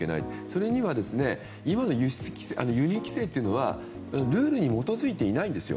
それには今の輸入規制はルールに基づいていないんです。